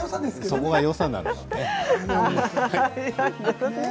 そこがよさなんですけどね。